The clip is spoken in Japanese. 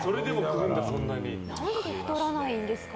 何で太らないんですか？